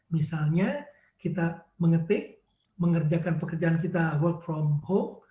misalnya kita mengetik mengerjakan pekerjaan kita work from home